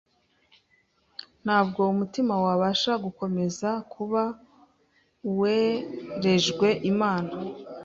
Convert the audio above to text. Ntabwo umutima wabasha gukomeza kuba uwerejwe Imana